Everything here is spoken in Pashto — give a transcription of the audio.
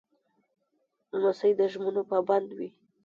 لمسی د ژمنو پابند وي.